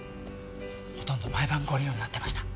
ほとんど毎晩ご利用になってました。